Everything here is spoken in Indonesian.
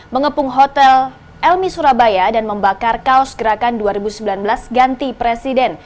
mengepung hotel elmi surabaya dan membakar kaos gerakan dua ribu sembilan belas ganti presiden